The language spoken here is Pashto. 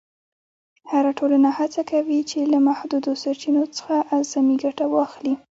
هره ټولنه هڅه کوي چې له محدودو سرچینو څخه اعظمي ګټه واخلي.